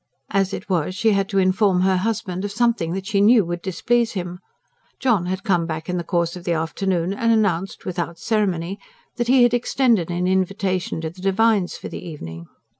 As it was, she had to inform her husband of something that she knew would displease him. John had come back in the course of the afternoon and announced, without ceremony, that he had extended an invitation to the Devines for the evening.